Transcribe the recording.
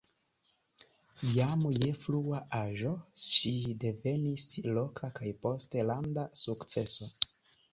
Jam je frua aĝo ŝi devenis loka kaj poste landa sukceso.